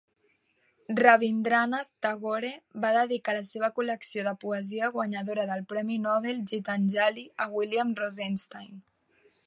Rabindranath Tagore va dedicar la seva col·lecció de poesia guanyadora del Premi Nobel "Gitanjali" a William Rothenstein.